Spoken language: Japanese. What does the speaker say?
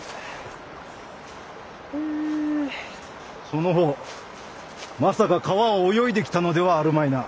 その方まさか川を泳いできたのではあるまいな？